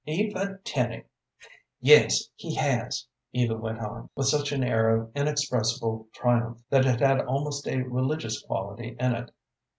"Eva Tenny!" "Yes, he has," Eva went on, with such an air of inexpressible triumph that it had almost a religious quality in it.